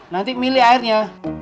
nanti milih airnya